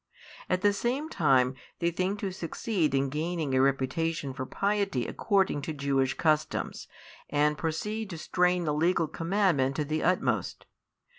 At the same time they think to succeed in gaining a reputation for piety according to Jewish customs, and proceed to strain the legal commandment to the utmost.